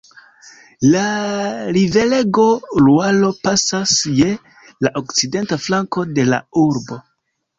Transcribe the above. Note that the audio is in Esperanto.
La riverego Luaro pasas je la okcidenta flanko de la urbo.